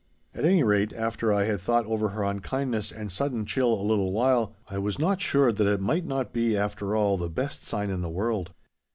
At any rate, after I had thought over her unkindness and sudden chill a little while, I was not sure that it might not be after all the best sign in the world.